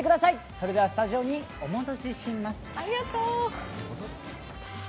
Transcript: それでは、スタジオにお戻しします。